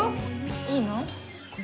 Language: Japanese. いいの？